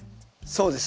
そうです